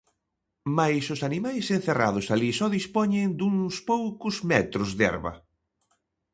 Mais os animais encerrados alí só dispoñen duns poucos metros de herba.